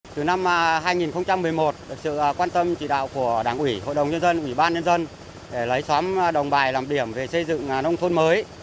từ năm hai nghìn một mươi một được sự quan tâm chỉ đạo của đảng ủy hội đồng nhân dân ủy ban nhân dân để lấy xóm đồng bài làm điểm về xây dựng nông thôn mới